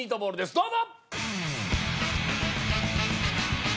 どうぞ！